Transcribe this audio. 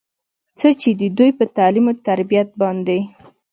چې د دوي پۀ تعليم وتربيت باندې